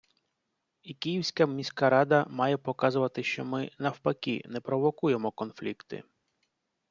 І Київська міська рада має показувати, що ми, навпаки, не провокуємо конфлікти.